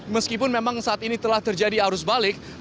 meskipun memang saat ini telah terjadi arus balik